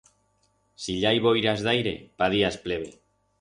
Si i hai boiras d'aire, pa días pleve.